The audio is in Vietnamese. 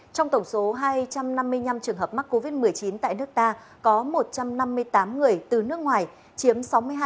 trong tổng số hai trăm năm mươi năm trường hợp mắc covid một mươi chín tại nước ta có một trăm năm mươi tám người từ nước ngoài chiếm sáu mươi hai